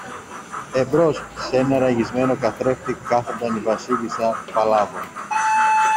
Εμπρός σ' ένα ραγισμένο καθρέφτη κάθονταν η Βασίλισσα Παλάβω.